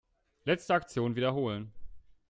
Letzte Aktion wiederholen.